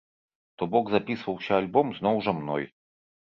То бок, запісваўся альбом зноў жа мной.